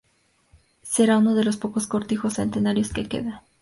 será uno de los pocos cortijos centenarios que quedan